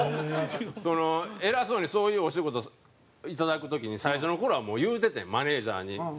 偉そうにそういうお仕事をいただく時に最初の頃はもう言うててんマネジャーに。